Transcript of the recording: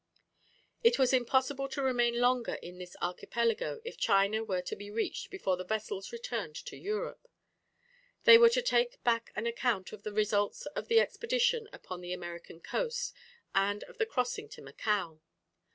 It was impossible to remain longer in this archipelago if China were to be reached before the vessels returned to Europe. They were to take back an account of the results of the expedition upon the American coast, and of the crossing to Macao.